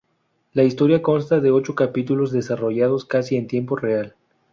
La historia consta de ocho capítulos desarrollados casi en tiempo real.